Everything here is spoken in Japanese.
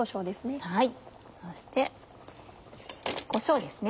そしてこしょうですね。